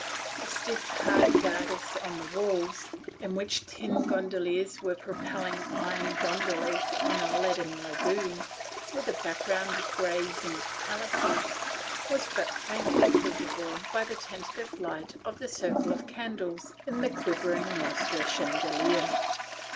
The stiff, hard Guardis on the walls, in which tin gondoliers were propelling iron gondolas on a leaden lagoon, with a background of grey zinc palaces, were but faintly visible by the tentative light of the circle of candles in the quivering lustre chandelier.